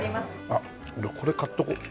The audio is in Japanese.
あっ俺これ買っとこう。